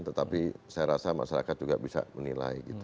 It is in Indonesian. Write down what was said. tetapi saya rasa masyarakat juga bisa menilai gitu